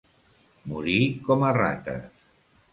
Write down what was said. Morir com a rates.